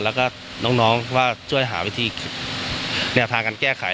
แล้วก็น้องว่าช่วยหาวิธีคิดแนวทางการแก้ไข